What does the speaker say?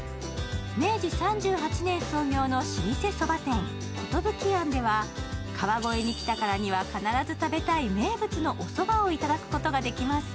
明治３８年創業の老舗そば店寿庵では、川越に来たからには必ず食べたい名物のおそばをいただくことができます。